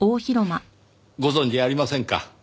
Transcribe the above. ご存じありませんか？